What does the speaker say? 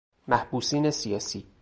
محبوسین سیاسی